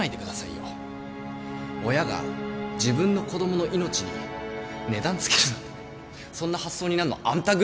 親が自分の子供の命に値段つけるなんてそんな発想になんのあんたぐらいっすよ。